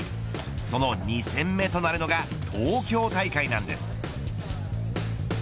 その２戦目となるのが東京大会なんです。